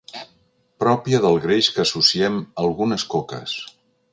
Pròpia del greix que associem a algunes coques.